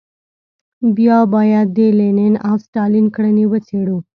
بیا باید د لینین او ستالین کړنې وڅېړو.